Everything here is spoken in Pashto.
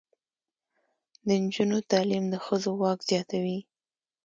د نجونو تعلیم د ښځو واک زیاتوي.